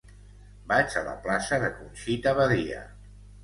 Vaig a la plaça de Conxita Badia.